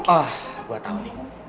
ah gue tau nih